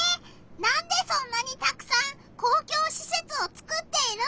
なんでそんなにたくさん公共しせつをつくっているんだ？